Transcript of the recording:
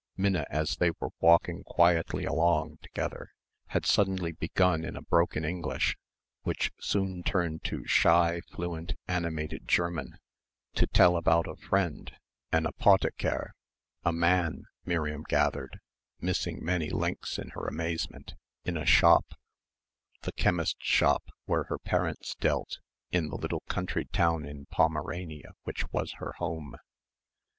Minna, as they were walking quietly along together had suddenly begun in a broken English which soon turned to shy, fluent, animated German, to tell about a friend, an apotheker, a man, Miriam gathered missing many links in her amazement in a shop, the chemist's shop where her parents dealt, in the little country town in Pomerania which was her home.